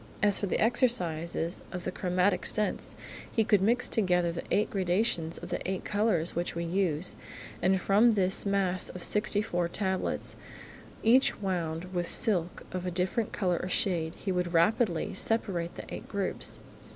As for the exercises of the chromatic sense, he could mix together the eight gradations of the eight colours which we use, and from this mass of sixty four tablets, each wound with silk of a different colour or shade, he could rapidly separate the eight groups.